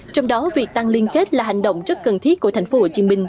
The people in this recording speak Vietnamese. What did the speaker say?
trong đó việc tăng liên kết là hành động rất cần thiết của thành phố hồ chí minh